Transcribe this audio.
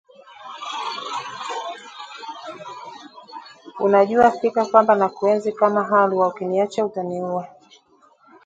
Unajua fika kwamba nakuenzi kama halua ukiniacha utaniua